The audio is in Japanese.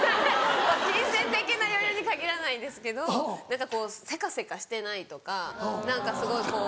金銭的な余裕に限らないんですけど何かこうせかせかしてないとか何かすごいこう。